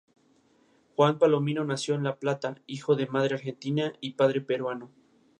Juan Palomino nació en La Plata, hijo de madre argentina y padre peruano.